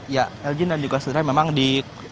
ya elgin dan juga sederhana memang di